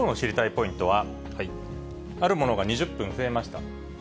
ポイントは、あるものが２０分増えました。